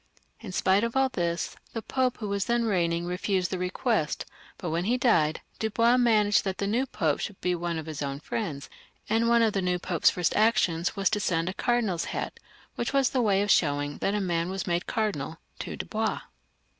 In spite of all this the Pope who was then reigning refused the request, but when he died, Dubois managed that the new Pope should be one of his own friends; and one of the new Pope's first actions was to send a cardinal's hat, which was the way of showing that a man was made cardinal, to Dubois.